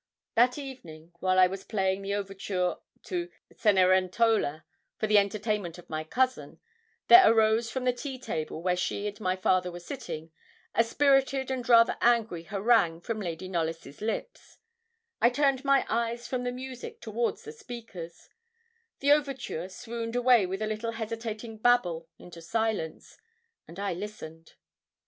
That evening, while I was playing the overture to Cenerentola, for the entertainment of my cousin, there arose from the tea table, where she and my father were sitting, a spirited and rather angry harangue from Lady Knollys' lips; I turned my eyes from the music towards the speakers; the overture swooned away with a little hesitating babble into silence, and I listened.